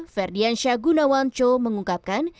ferdiansyah gunawanco mengungkapkan